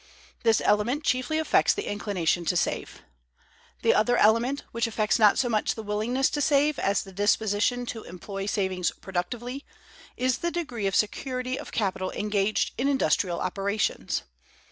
This element chiefly affects the inclination to save. The other element, which affects not so much the willingness to save as the disposition to employ savings productively, is the degree of security of capital engaged in industrial operations.